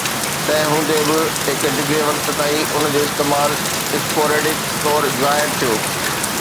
تنهن هوندي به، هڪ ڊگهي وقت تائين ان جو استعمال sporadic طور ظاهر ٿيو